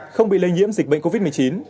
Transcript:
không bị lây nhiễm dịch bệnh covid một mươi chín